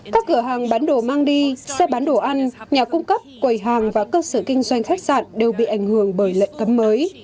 các cửa hàng bán đồ mang đi xe bán đồ ăn nhà cung cấp quầy hàng và cơ sở kinh doanh khách sạn đều bị ảnh hưởng bởi lệnh cấm mới